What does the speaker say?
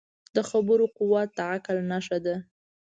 د خبرو قوت د عقل نښه ده